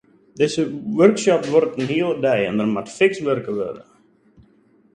Dizze workshop duorret in hiele dei en der moat fiks wurke wurde.